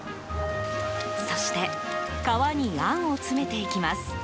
そして、皮にあんを詰めていきます。